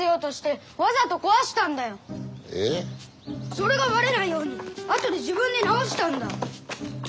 それがバレないように後で自分で直したんだ。